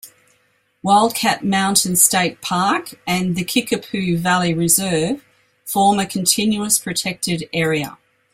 Wildcat Mountain State Park and the Kickapoo Valley Reserve form a continuous protected area.